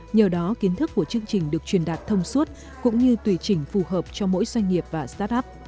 nhờ đó kiến thức của chương trình được truyền đạt thông suốt cũng như tùy chỉnh phù hợp cho mỗi doanh nghiệp và start up